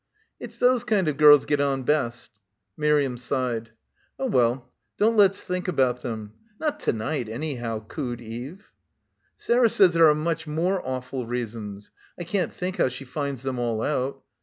"It's those kind of girls get on best." Miriam sighed. "Oh well, don't let's think about them. Not to night, anyhow," cooed Eve. "Sarah says there are much more awful reasons. I can't think how she finds them all out.